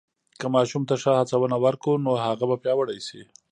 که ماشوم ته ښه هڅونه ورکو، نو هغه به پیاوړی شي.